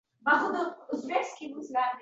Tosh boʼlib qaytar